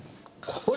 これ。